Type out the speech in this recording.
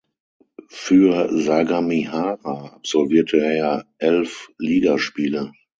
Für Sagamihara absolvierte er elf Ligaspiele.